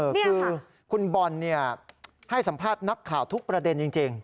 คือคุณบอลให้สัมภาษณ์นักข่าวทุกประเด็นจริง